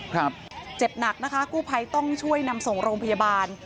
เจ็บหนักนะคะกู้ภัยต้องช่วยนำส่งโรงพยาบาล